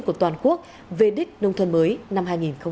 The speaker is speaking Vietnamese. của toàn quốc về đích nông thuận mới năm hai nghìn một mươi chín